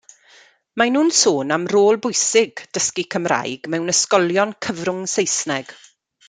Mae nhw'n sôn am rôl bwysig dysgu Cymraeg mewn ysgolion cyfrwng Saesneg.